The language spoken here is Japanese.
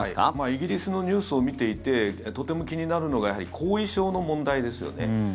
イギリスのニュースを見ていてとても気になるのがやはり後遺症の問題ですよね。